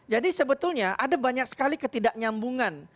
jadi sebetulnya ada banyak sekali ketidaknyambungan